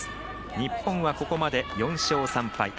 日本は、ここまで４勝３敗。